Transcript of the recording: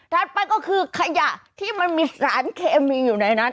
ไปก็คือขยะที่มันมีสารเคมีอยู่ในนั้น